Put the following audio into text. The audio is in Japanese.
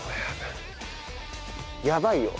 やばいよ。